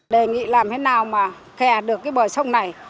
đề nghị làm thế nào mà kè được cái bờ sông này